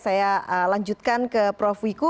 saya lanjutkan ke prof wiku